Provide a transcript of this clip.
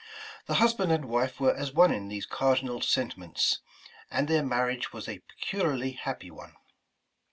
The husband and wife were as one in these cardinal sentiments, and their marriage was a peculiarly happy one.